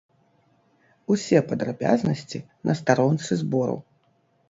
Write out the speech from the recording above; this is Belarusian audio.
Усе падрабязнасці на старонцы збору.